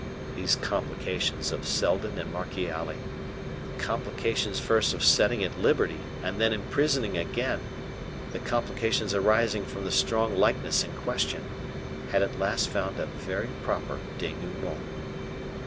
These complications of Seldon and Marchiali the complications first of setting at liberty and then imprisoning again, the complications arising from the strong likeness in question had at last found a very proper denouement.